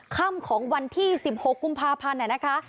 ค่ำของวันที่๑๖กุมภาพันธ์นะคะ